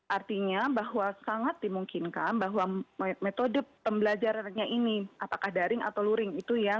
artinya bahwa sangat dimungkinkan bahwa metode pembelajarannya ini apakah daring atau luring itu ya